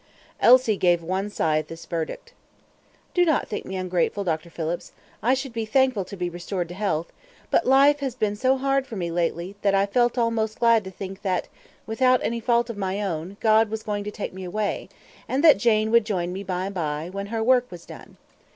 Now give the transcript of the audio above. Elsie gave one sigh at this verdict. "Do not think me ungrateful, Dr. Phillips; I should be thankful to be restored to health; but life has been so hard for me lately, that I felt almost glad to think that, without any fault of my own, God was going to take me away, and that Jane would join me by and by, when her work was done.